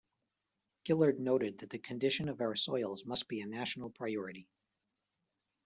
Gillard noted that the condition of our soils must be a national priority.